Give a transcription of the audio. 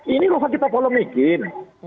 ini usah kita polemikin